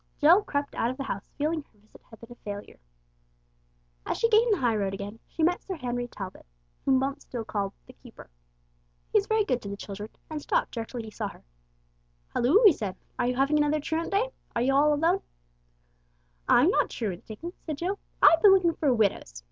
Jill crept out of the house feeling her visit had been a failure. As she gained the high road again, she met Sir Henry Talbot, whom Bumps still called the "keeper." He was very good to the children, and stopped directly he saw her. "Hulloo!" he said. "Are you having another truant day? Are you all alone?" "I'm not truanting," said Jill. "I've been looking for widows.